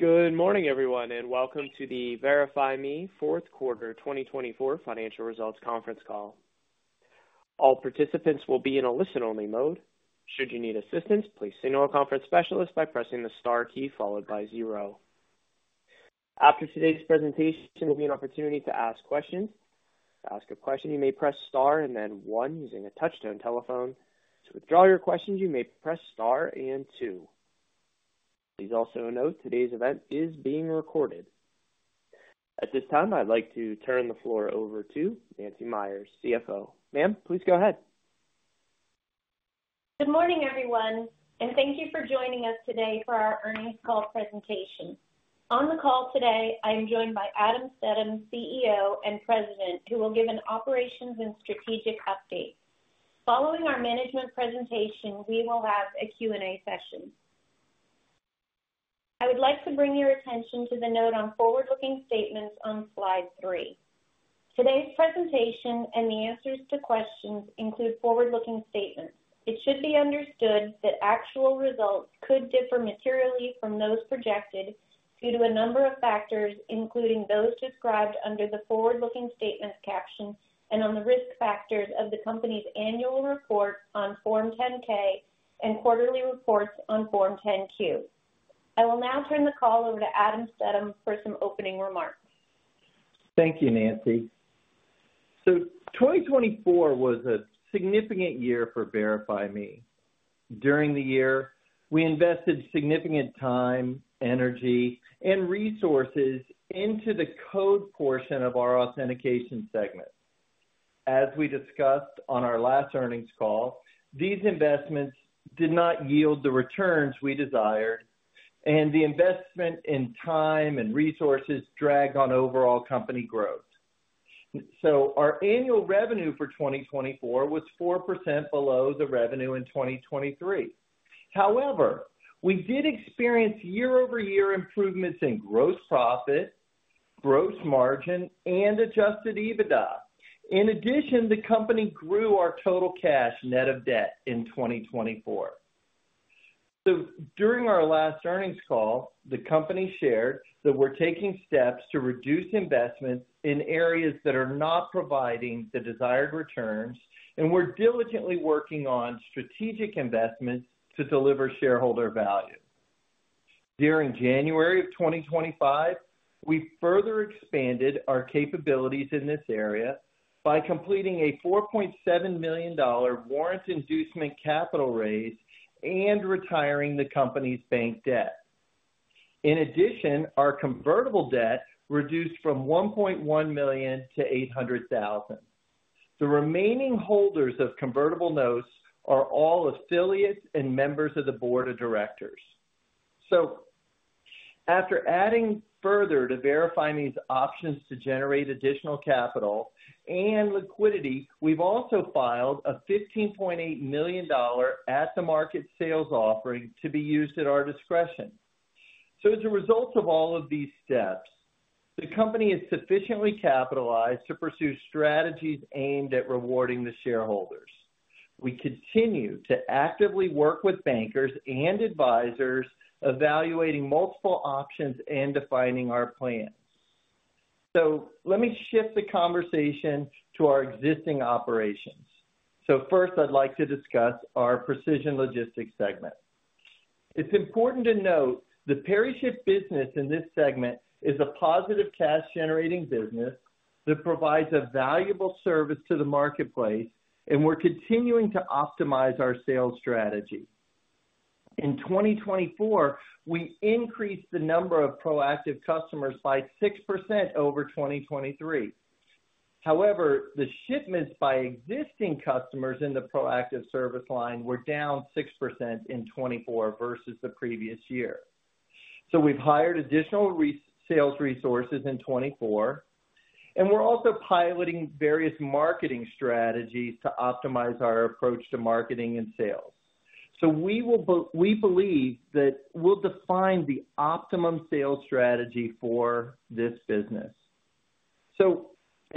Good morning, everyone, and welcome to the VerifyMe Nancy Meyers, fourth quarter 2024 financial results conference call. All participants will be in a listen-only mode. Should you need assistance, please signal a conference specialist by pressing the star key followed by 0. After today's presentation, there will be an opportunity to ask questions. To ask a question, you may press star and then 1 using a touch-tone telephone. To withdraw your questions, you may press star and 2. Please also note today's event is being recorded. At this time, I'd like to turn the floor over to Nancy Meyers, CFO. Ma'am, please go ahead. Good morning, every1, and thank you for joining us today for our earnings call presentation. On the call today, I am joined by Adam Stedham, CEO and President, who will give an operations and strategic update. Following our management presentation, we will have a Q&A session. I would like to bring your attention to the note on forward-looking statements on slide three. Today's presentation and the answers to questions include forward-looking statements. It should be understood that actual results could differ materially from those projected due to a number of factors, including those described under the forward-looking statements caption and on the risk factors of the company's annual report on Form 10-K and quarterly reports on Form 10-Q. I will now turn the call over to Adam Stedham for some opening remarks. Thank you, Nancy. 2024 was a significant year for VerifyMe. During the year, we invested significant time, energy, and resources into the code portion of our authentication segment. As we discussed on our last earnings call, these investments did not yield the returns we desired, and the investment in time and resources dragged on overall company growth. Our annual revenue for 2024 was 4% below the revenue in 2023. However, we did experience year-over-year improvements in gross profit, gross margin, and adjusted EBITDA. In addition, the company grew our total cash net of debt in 2024. During our last earnings call, the company shared that we're taking steps to reduce investments in areas that are not providing the desired returns, and we're diligently working on strategic investments to deliver shareholder value. During January of 2025, we further expanded our capabilities in this area by completing a $4.7 million warrant inducement capital raise and retiring the company's bank debt. In addition, our convertible debt reduced from $1.1 million to $800,000. The remaining holders of convertible notes are all affiliates and members of the board of directors. After adding further to VerifyMe's options to generate additional capital and liquidity, we've also filed a $15.8 million at-the-market sales offering to be used at our discretion. As a result of all of these steps, the company is sufficiently capitalized to pursue strategies aimed at rewarding the shareholders. We continue to actively work with bankers and advisors, evaluating multiple options and defining our plan. Let me shift the conversation to our existing operations. First, I'd like to discuss our Precision Logistics segment. It's important to note the PeriShip business in this segment is a positive cash-generating business that provides a valuable service to the marketplace, and we're continuing to optimize our sales strategy. In 2024, we increased the number of proactive customers by 6% over 2023. However, the shipments by existing customers in the proactive service line were down 6% in 2024 versus the previous year. We have hired additional sales resources in 2024, and we're also piloting various marketing strategies to optimize our approach to marketing and sales. We believe that we'll define the optimum sales strategy for this business.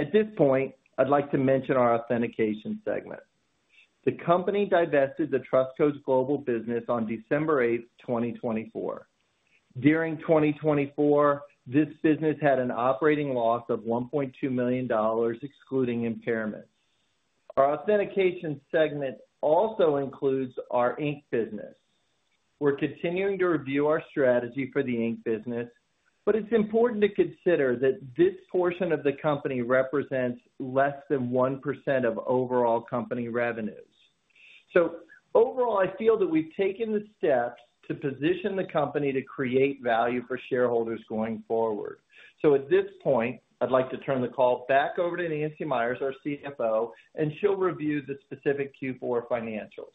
At this point, I'd like to mention our authentication segment. The company divested the Trust Codes global business on December 8, 2024. During 2024, this business had an operating loss of $1.2 million, excluding impairments. Our authentication segment also includes our ink business. We're continuing to review our strategy for the ink business, but it's important to consider that this portion of the company represents less than 1% of overall company revenues. Overall, I feel that we've taken the steps to position the company to create value for shareholders going forward. At this point, I'd like to turn the call back over to Nancy Meyers, our CFO, and she'll review the specific Q4 financials.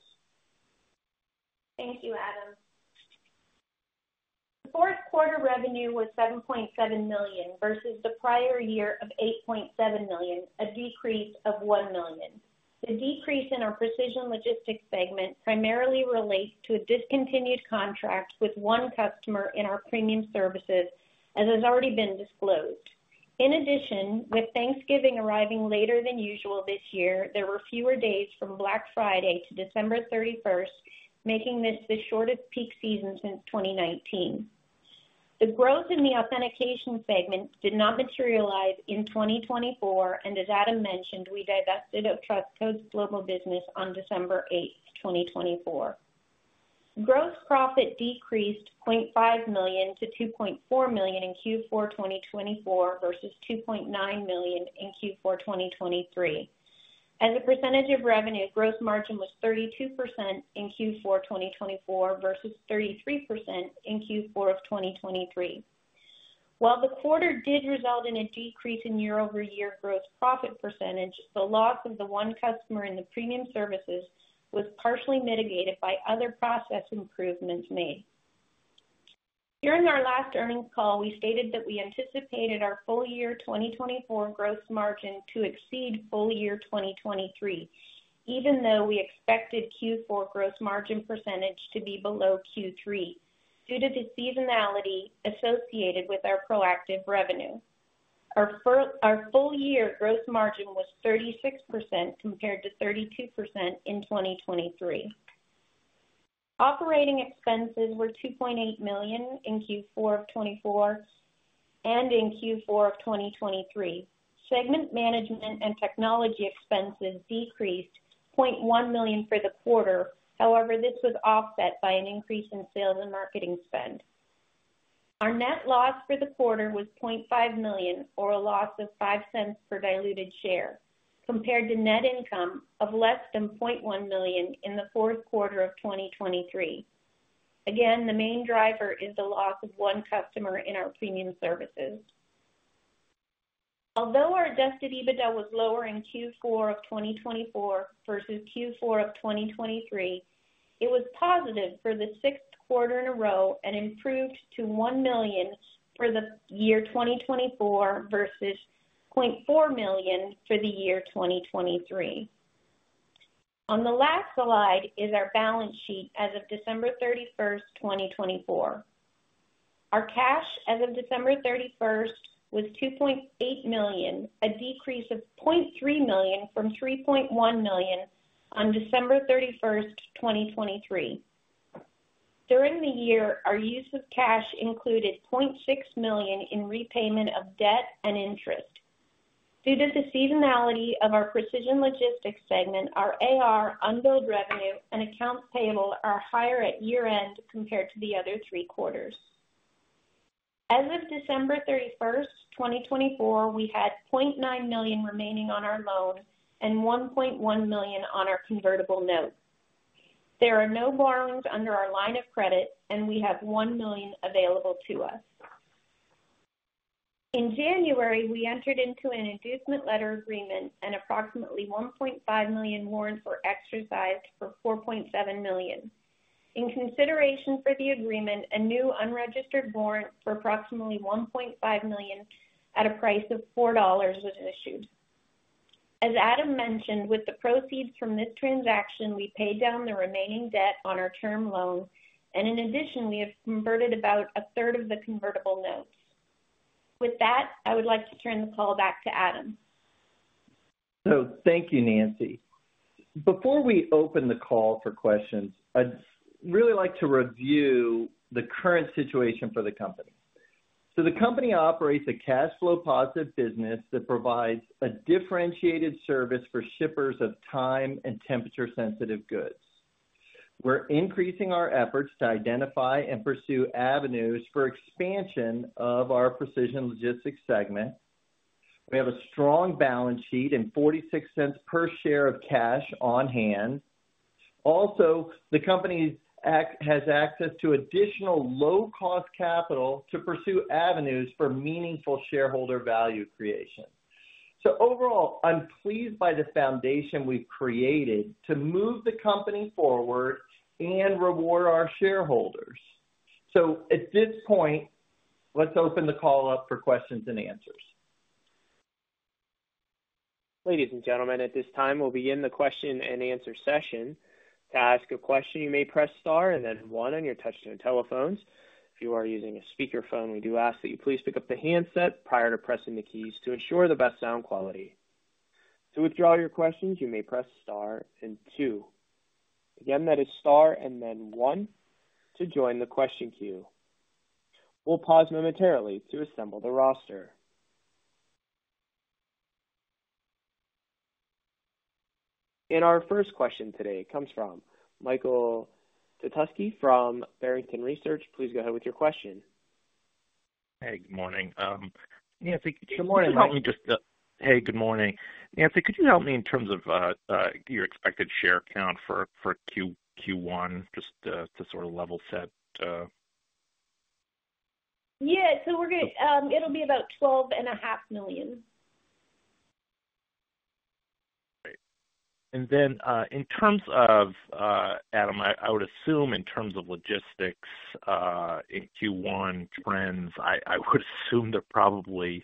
Thank you, Adam. The fourth quarter revenue was $7.7 million versus the prior year of $8.7 million, a decrease of $1 million. The decrease in our Precision Logistics segment primarily relates to a discontinued contract with 1 customer in our premium services, as has already been disclosed. In addition, with Thanksgiving arriving later than usual this year, there were fewer days from Black Friday to December 31, making this the shortest peak season since 2019. The growth in the authentication segment did not materialize in 2024, and as Adam mentioned, we divested of Trust Codes global business on December 8, 2024. Gross profit decreased $0.5 million to $2.4 million in Q4 2024 versus $2.9 million in Q4 2023. As a percentage of revenue, gross margin was 32% in Q4 2024 versus 33% in Q4 of 2023. While the quarter did result in a decrease in year-over-year gross profit percentage, the loss of the 1 customer in the premium services was partially mitigated by other process improvements made. During our last earnings call, we stated that we anticipated our full year 2024 gross margin to exceed full year 2023, even though we expected Q4 gross margin percentage to be below Q3 due to the seasonality associated with our proactive revenue. Our full year gross margin was 36% compared to 32% in 2023. Operating expenses were $2.8 million in Q4 of 2024 and in Q4 of 2023. Segment management and technology expenses decreased $0.1 million for the quarter. However, this was offset by an increase in sales and marketing spend. Our net loss for the quarter was $0.5 million, or a loss of $0.05 per diluted share, compared to net income of less than $0.1 million in the fourth quarter of 2023. Again, the main driver is the loss of 1 customer in our premium services. Although our adjusted EBITDA was lower in Q4 of 2024 versus Q4 of 2023, it was positive for the sixth quarter in a row and improved to $1 million for the year 2024 versus $0.4 million for the year 2023. On the last slide is our balance sheet as of December 31, 2024. Our cash as of December 31 was $2.8 million, a decrease of $0.3 million from $3.1 million on December 31, 2023. During the year, our use of cash included $0.6 million in repayment of debt and interest. Due to the seasonality of our Precision Logistics segment, our AR, unbilled revenue, and accounts payable are higher at year-end compared to the other three quarters. As of December 31, 2024, we had $0.9 million remaining on our loan and $1.1 million on our convertible note. There are no borrowings under our line of credit, and we have $1 million available to us. In January, we entered into an inducement letter agreement, and approximately $1.5 million warrant was exercised for $4.7 million. In consideration for the agreement, a new unregistered warrant for approximately $1.5 million at a price of $4 was issued. As Adam menti1d, with the proceeds from this transaction, we paid down the remaining debt on our term loan, and in addition, we have converted about a third of the convertible notes. With that, I would like to turn the call back to Adam. Thank you, Nancy. Before we open the call for questions, I'd really like to review the current situation for the company. The company operates a cash flow positive business that provides a differentiated service for shippers of time and temperature-sensitive goods. We're increasing our efforts to identify and pursue avenues for expansion of our Precision Logistics segment. We have a strong balance sheet and $0.46 per share of cash on hand. Also, the company has access to additional low-cost capital to pursue avenues for meaningful shareholder value creation. Overall, I'm pleased by the foundation we've created to move the company forward and reward our shareholders. At this point, let's open the call up for questions and answers. Ladies and gentlemen, at this time, we'll begin the question and answer session. To ask a question, you may press star and then 1 on your touch-tone telephones. If you are using a speakerphone, we do ask that you please pick up the handset prior to pressing the keys to ensure the best sound quality. To withdraw your questions, you may press star and 2. Again, that is star and then 1 to join the question queue. We'll pause momentarily to assemble the roster. In our first question today, it comes from Michael Petusky from Barrington Research. Please go ahead with your question. Hey, good morning. Nancy, could you help me just. Good morning. Hey, good morning. Nancy, could you help me in terms of your expected share count for Q1, just to sort of level set? Yeah. It'll be about $12.5 million. Right. In terms of, Adam, I would assume in terms of logistics in Q1 trends, I would assume they're probably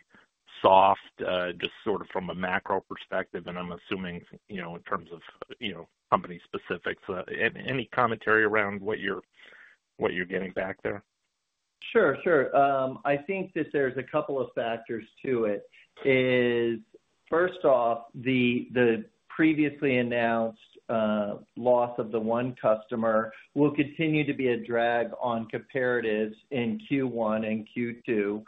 soft, just sort of from a macro perspective, and I'm assuming in terms of company specifics. Any commentary around what you're getting back there? Sure, sure. I think that there's a couple of factors to it. First off, the previously announced loss of the 1 customer will continue to be a drag on comparatives in Q1 and Q2.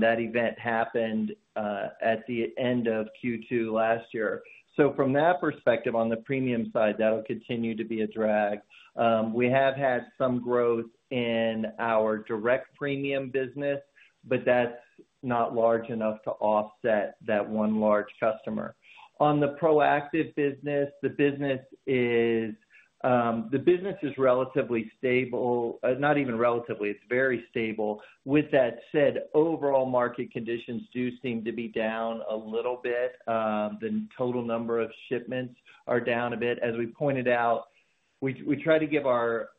That event happened at the end of Q2 last year. From that perspective, on the premium side, that'll continue to be a drag. We have had some growth in our direct premium business, but that's not large enough to offset that 1 large customer. On the proactive business, the business is relatively stable. Not even relatively, it's very stable. With that said, overall market conditions do seem to be down a little bit. The total number of shipments are down a bit. As we pointed out, we try to give our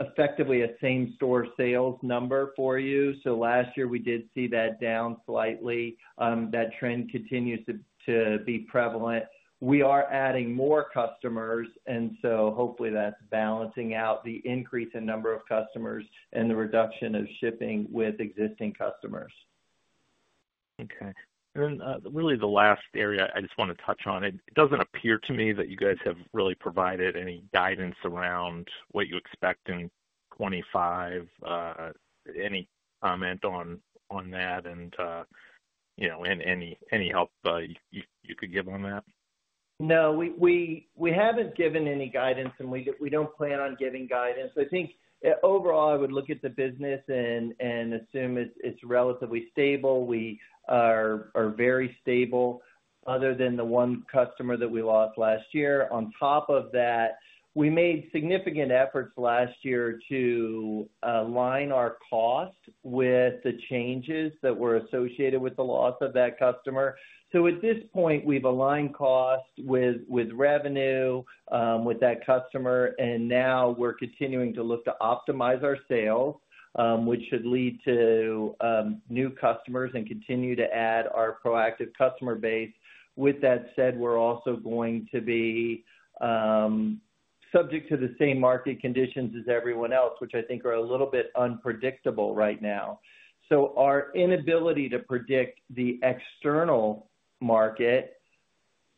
effectively a same-store sales number for you. Last year, we did see that down slightly. That trend continues to be prevalent. We are adding more customers, and so hopefully that's balancing out the increase in number of customers and the reduction of shipping with existing customers. Okay. The last area I just want to touch on. It doesn't appear to me that you guys have really provided any guidance around what you expect in 2025. Any comment on that and any help you could give on that? No, we haven't given any guidance, and we don't plan on giving guidance. I think overall, I would look at the business and assume it's relatively stable. We are very stable, other than the 1 customer that we lost last year. On top of that, we made significant efforts last year to align our cost with the changes that were associated with the loss of that customer. At this point, we've aligned cost with revenue with that customer, and now we're continuing to look to optimize our sales, which should lead to new customers and continue to add our proactive customer base. With that said, we're also going to be subject to the same market conditions as every1 else, which I think are a little bit unpredictable right now. Our inability to predict the external market,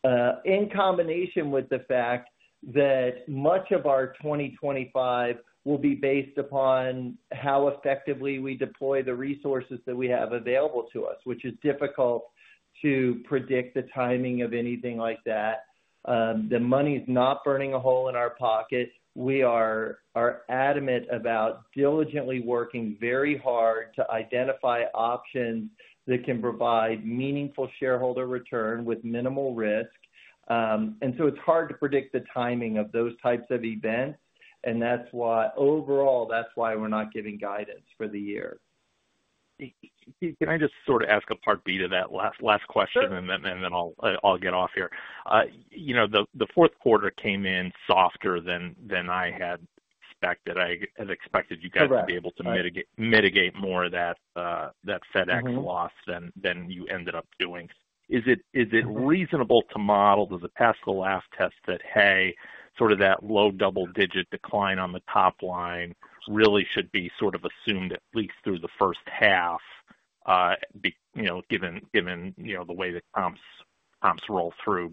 in combination with the fact that much of our 2025 will be based upon how effectively we deploy the resources that we have available to us, which is difficult to predict the timing of anything like that. The m1y's not burning a hole in our pocket. We are adamant about diligently working very hard to identify options that can provide meaningful shareholder return with minimal risk. It is hard to predict the timing of those types of events, and overall, that's why we're not giving guidance for the year. Can I just sort of ask a part B to that last question, and then I'll get off here? The fourth quarter came in softer than I had expected. I had expected you guys to be able to mitigate more of that FedEx loss than you ended up doing. Is it reasonable to model to pass the last test that, hey, sort of that low double-digit decline on the top line really should be sort of assumed at least through the first half, given the way that comps roll through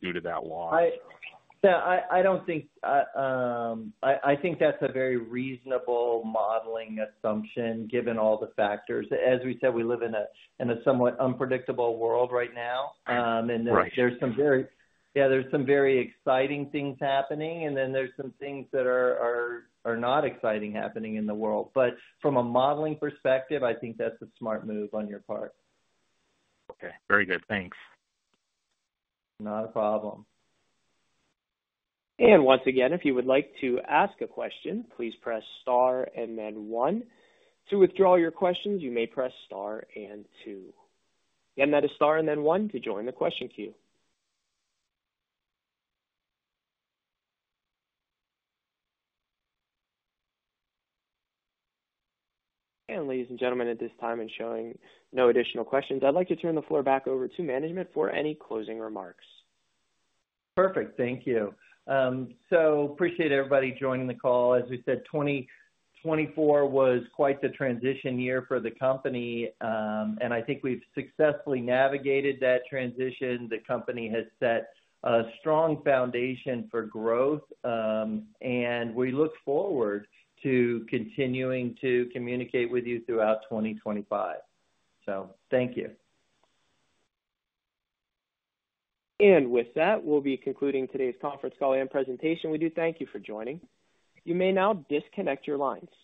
due to that loss? I think that's a very reasonable modeling assumption, given all the factors. As we said, we live in a somewhat unpredictable world right now, and there's some very exciting things happening, and then there's some things that are not exciting happening in the world. From a modeling perspective, I think that's a smart move on your part. Okay. Very good. Thanks. Not a problem. Once again, if you would like to ask a question, please press star and then 1. To withdraw your questions, you may press star and 2. That is star and then 1 to join the question queue. Ladies and gentlemen, at this time, showing no additional questions, I'd like to turn the floor back over to management for any closing remarks. Perfect. Thank you. Appreciate everybody joining the call. As we said, 2024 was quite the transition year for the company, and I think we've successfully navigated that transition. The company has set a strong foundation for growth, and we look forward to continuing to communicate with you throughout 2025. Thank you. With that, we will be concluding today's conference call and presentation. We do thank you for joining. You may now disconnect your lines.